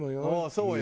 そうよ。